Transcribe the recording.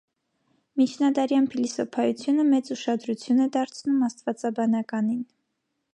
Միջնադարյան փիլիսոփայությունը մեծ ուշադրություն է դարձնում աստվածաբանականին։